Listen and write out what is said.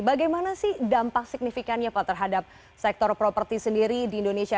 bagaimana sih dampak signifikannya pak terhadap sektor properti sendiri di indonesia